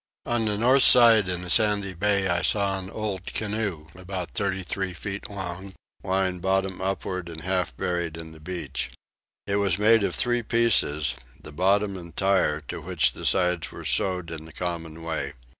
On the north side in a sandy bay I saw an old canoe about 33 feet long, lying bottom upwards and half buried in the beach. It was made of three pieces, the bottom entire, to which the sides were sewed in the common way.